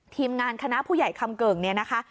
ทีมงานคณะผู้ใหญ่คำเกิ่งเนี่ยนะคะ